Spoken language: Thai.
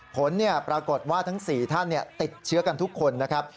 ผลปรากฏว่าทั้ง๔ท่านติดเชื้อกันทุกคนนะครับ